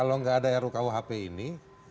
jadi kalau ada rukuhp ini